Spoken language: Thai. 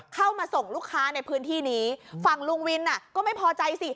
เข้ามาส่งลูกค้าในพื้นที่นี้ฝั่งลุงวินอ่ะก็ไม่พอใจสิ